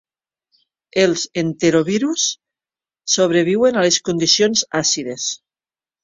Els enterovirus sobreviuen a les condicions àcides.